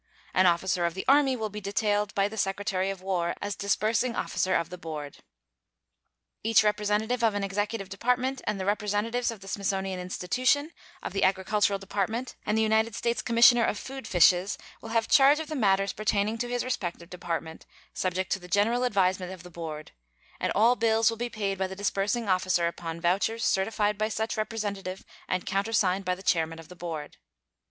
An officer of the Army will be detailed by the Secretary of War as disbursing officer of the board. Each representative of an Executive Department and the representatives of the Smithsonian Institution, of the Agricultural Department, and the United States Commissioner of Food Fishes will have charge of the matters pertaining to his respective Department, subject to the general advisement of the board; and all bills will be paid by the disbursing officer upon vouchers certified by such representative and countersigned by the chairman of the board.